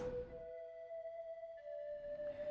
di proyek terjadi kecelakaan kerja